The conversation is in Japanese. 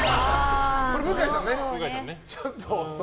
これ向井さんね。